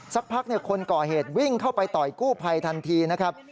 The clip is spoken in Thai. สักพักคนก่อเหตุวิ่งเข้าไปต่อยกู้ภัยทันทีนะครับ